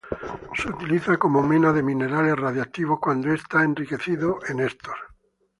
Es utilizado como mena de minerales radiactivos cuando está enriquecido en estos.